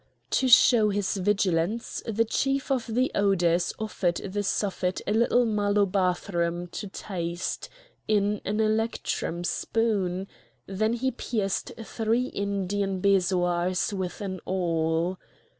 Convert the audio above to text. To show his vigilance the Chief of the Odours offered the Suffet a little malobathrum to taste in an electrum spoon; then he pierced three Indian bezoars with an awl.